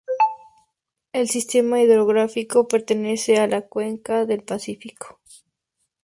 El sistema hidrográfico pertenece a la Cuenca del Pacífico.